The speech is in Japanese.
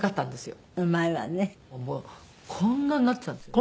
こんなになっていたんですよね。